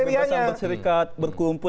pembedasan berserikat berkumpul